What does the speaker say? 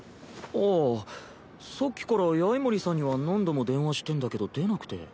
ああさっきから八重森さんには何度も電話してんだけど出なくて。